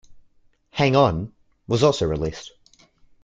"Hang On" was also released.